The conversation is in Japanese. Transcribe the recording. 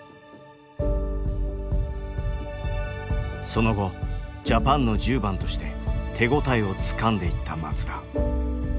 その後ジャパンの１０番として手応えをつかんでいった松田。